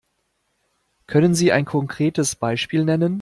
Können Sie ein konkretes Beispiel nennen?